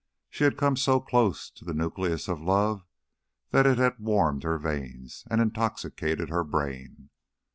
She had come so close to the nucleus of love that it had warmed her veins and intoxicated her brain.